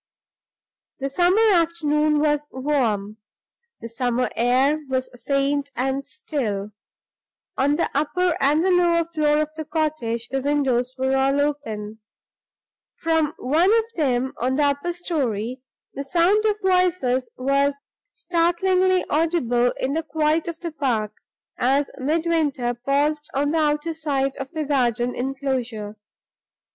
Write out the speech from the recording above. The summer afternoon was warm; the summer air was faint and still. On the upper and the lower floor of the cottage the windows were all open. From one of them, on the upper story, the sound of voices was startlingly audible in the quiet of the park as Midwinter paused on the outer side of the garden inclosure.